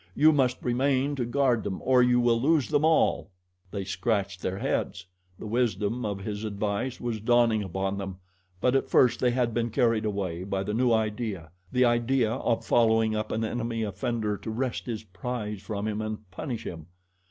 You must remain to guard them or you will lose them all." They scratched their heads. The wisdom of his advice was dawning upon them, but at first they had been carried away by the new idea the idea of following up an enemy offender to wrest his prize from him and punish him.